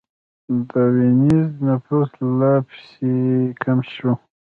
د وینز نفوس لا پسې کم شو.